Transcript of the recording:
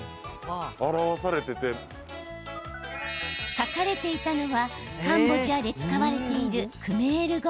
書かれていたのはカンボジアで使われているクメール語。